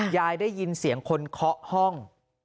ได้ยินเสียงคนเคาะห้อง